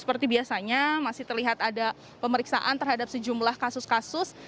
seperti biasanya masih terlihat ada pemeriksaan terhadap sejumlah kasus kasus